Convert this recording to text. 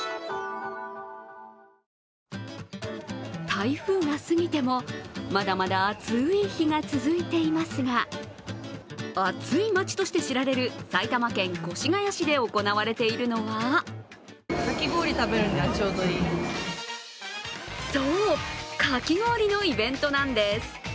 台風が過ぎても、まだまだ暑い日が続いていますが、暑い街として知られる埼玉県越谷市で行われているのはそう、かき氷のイベントなんです。